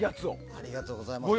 ありがとうございます。